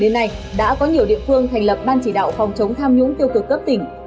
đến nay đã có nhiều địa phương thành lập ban chỉ đạo phòng chống tham nhũng tiêu cực cấp tỉnh